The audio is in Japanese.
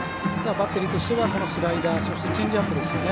バッテリーとしてはスライダーチェンジアップですよね。